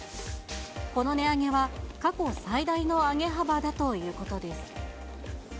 この値上げは過去最大の上げ幅だということです。